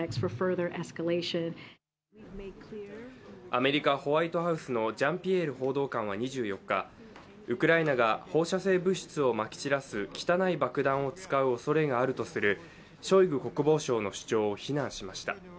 アメリカ・ホワイトハウスのジャンピエール報道官は２４日ウクライナが放射性物質をまき散らす汚い爆弾を使うおそれがあるとするショイグ国防相の主張を非難しました。